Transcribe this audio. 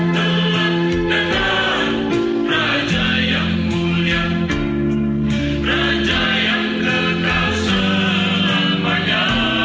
telah dekat raja yang mulia raja yang dekat selamanya